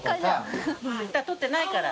ヘタ取ってないから。